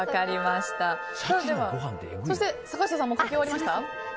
そして、坂下さんも書き終わりました？